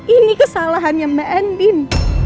ini kesalahannya mbak endin